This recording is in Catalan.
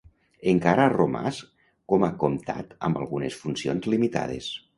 Encara ha romàs com a comtat amb algunes funcions limitades.